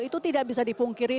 itu tidak bisa dipungkiri